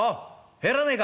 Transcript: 入らねえか！